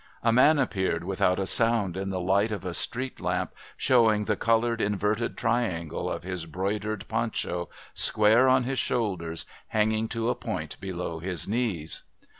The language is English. A man appeared without a sound in the light of a street lamp, showing the coloured inverted triangle of his broidered poncho, square on his shoulders, hanging to a point below his knees.